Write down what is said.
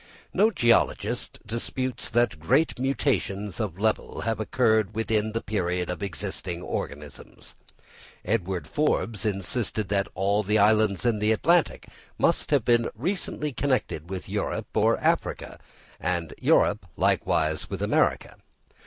No geologist disputes that great mutations of level have occurred within the period of existing organisms. Edward Forbes insisted that all the islands in the Atlantic must have been recently connected with Europe or Africa, and Europe likewise with America.